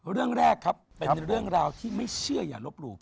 เรื่องแรกครับเป็นเรื่องราวที่ไม่เชื่ออย่าลบหลู่